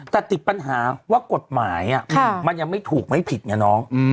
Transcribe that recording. แต่ติดปัญหาว่ากฎหมายมันยังไม่ถูกไม่ผิดไงน้อง